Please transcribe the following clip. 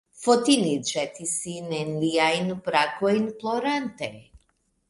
Fotini ĵetis sin en liajn brakojn plorante.